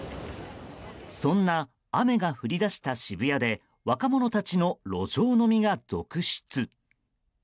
そんな雨が降り出した渋谷で若者たちの路上飲みが続出。